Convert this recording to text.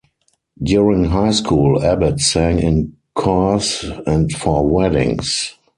During High School, Abbot sang in choirs and for weddings.